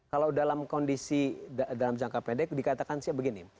kalau dalam kondisi dalam jangka pendek dikatakan sih begini